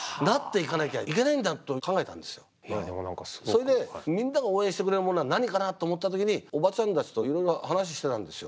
それでみんなが応援してくれるものは何かなと思った時におばちゃんたちといろいろ話してたんですよ。